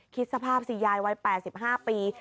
คิดสภาพสิยายวัย๘๕ปี